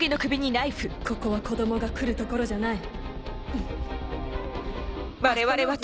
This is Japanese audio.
ここは子供が来る所じゃない。